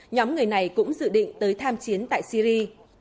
nhóm người này cũng dự định tới tham chiến tại syri